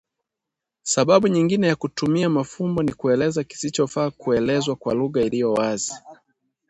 Sababu nyingine ya kutumia mafumbo ni kueleza kisichofaa kuelezwa kwa lugha iliyo wazi